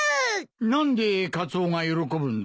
何でカツオが喜ぶんだ？